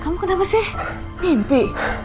kamu kenapa sih mimpi